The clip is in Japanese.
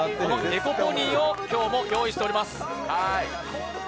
エコポニーを今日も用意しております。